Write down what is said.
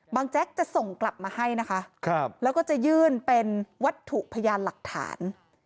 แจ๊กจะส่งกลับมาให้นะคะแล้วก็จะยื่นเป็นวัตถุพยานหลักฐาน